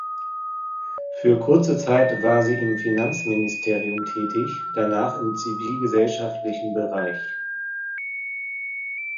Für kurze Zeit war sie im Finanzministerium tätig, danach im zivilgesellschaftlichen Bereich.